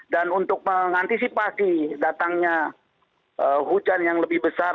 dan untuk mengantisipasi datangnya hujan yang lebih besar